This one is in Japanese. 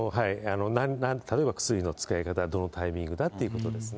例えば薬の使い方、どのタイミングだっていうことですね。